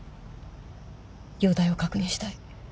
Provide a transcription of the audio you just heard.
容体を確認したい。